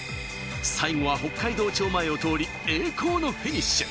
最後は北海道庁前を通り、栄光のフィニッシュ。